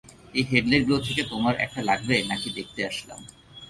এই হেডলাইটগুলো থেকে তোমার একটা লাগবে নাকি দেখতে আসলাম।